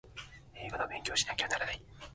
英語の勉強をしなければいけない